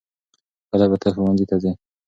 کله به ته ښوونځي ته ځې؟